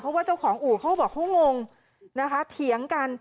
เพราะว่าเจ้าของอู่ซ่อมบอกว่าเขางงนะครับเถียงกัน